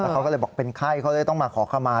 เขาก็เลยบอกเป็นไข้เขาเลยต้องมาขอขมา